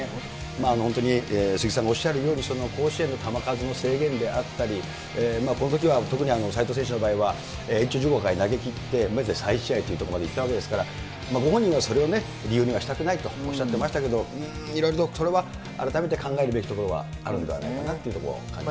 本当に鈴木さんがおっしゃるように、その甲子園の球数の制限であったり、このときは特に斎藤選手の場合は、延長１５回投げ切って、翌日、再試合というところまでいったわけですから、ご本人がそれを理由にはしたくないとおっしゃってましたけど、いろいろとそれは、改めて考えるべきところはあるんではないかなと思いますね。